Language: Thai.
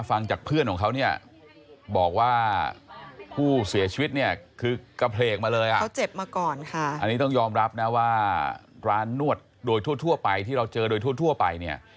อันนี้ต้องยอมรับนะว่าร้านนวดโดยทั่วไปที่เราเจอโดยทั่วไปเนี่ย